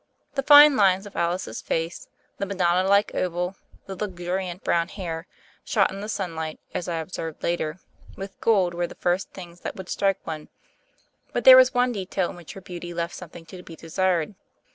The fine lines of Alice's face, the Madonna like oval, the luxuriant brown hair, shot, in the sun light (as I observed later), with gold were the first things that would strike one. But there was one detail in which her beauty left something to be desired.